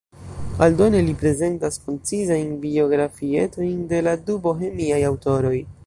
Aldone, li prezentas koncizajn biografietojn de la du bohemiaj aŭtoroj.